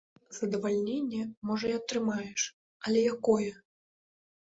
Задавальненне можа і атрымаеш, але якое?